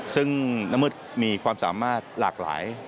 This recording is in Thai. ซึ่งน้ำมืดมีความสามารถหลากหลาย